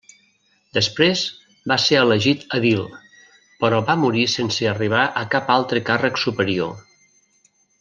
Després va ser elegit edil, però va morir sense arribar a cap altre càrrec superior.